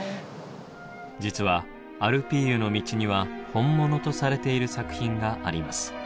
実は「アルピーユの道」には本物とされている作品があります。